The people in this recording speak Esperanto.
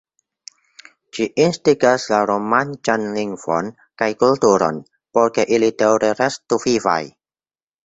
Ĝi instigas la romanĉan lingvon kaj kulturon, por ke ili daŭre restu vivaj.